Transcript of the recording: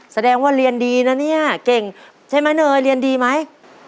แสดงว่าเรียนดีนะเนี่ยเก่งใช่ไหมเนยเรียนดีไหม